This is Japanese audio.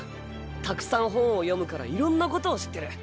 たくさん本を読むからいろんなことを知ってる。